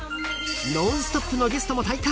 ［『ノンストップ！』のゲストも体感］